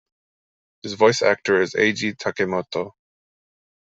His voice actor is Eiji Takemoto.